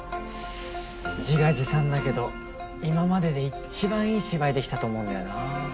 自画自賛だけど今まででいっちばんいい芝居できたと思うんだよな。